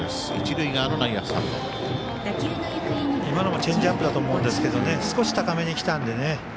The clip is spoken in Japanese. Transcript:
今のもチェンジアップだと思うんですけど少し高めにきたので。